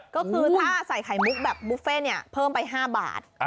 ก็คือถ้าใส่ไข่มุกแบบบุฟเฟ่เพิ่มไป๕บาท